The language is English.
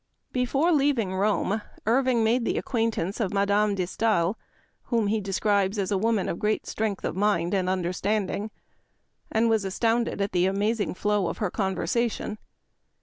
Before leaving Rome Irving made the ac quaintance of Madame de Stael, whom he de scribes as a woman of great strength of mind and understanding, and was " astounded at the amazing flow of her conversation."